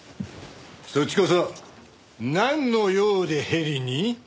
そっちこそなんの用でヘリに？